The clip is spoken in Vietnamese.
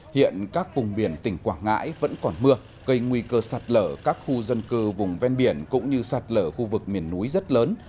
hiện các vùng biển tỉnh quảng ngãi vẫn còn mưa gây nguy cơ sạt lở các khu dân cư vùng ven biển cũng như sạt lở khu vực miền núi rất lớn